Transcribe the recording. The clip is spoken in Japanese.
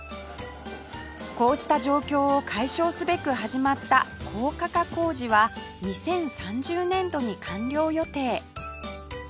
こうした状況を解消すべく始まった高架化工事は２０３０年度に完了予定